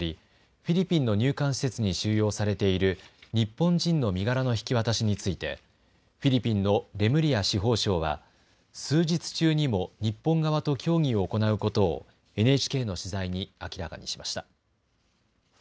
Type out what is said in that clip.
フィリピンの入管施設に収容されている日本人の身柄の引き渡しについてフィリピンのレムリア司法相は数日中にも日本側と協議を行うことをＮＨＫの取材に明らかにしました。